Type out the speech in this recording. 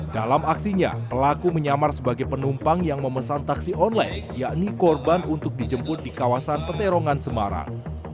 dalam aksinya pelaku menyamar sebagai penumpang yang memesan taksi online yakni korban untuk dijemput di kawasan peterongan semarang